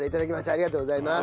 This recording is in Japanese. ありがとうございます。